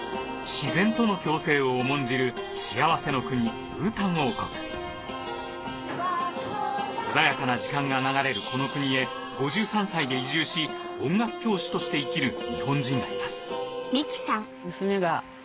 自然との共生を重んじる幸せの国穏やかな時間が流れるこの国へ５３歳で移住し音楽教師として生きる日本人がいます